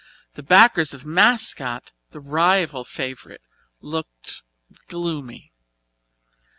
The backers of "Mascot", the rival favourite, looked gloomy.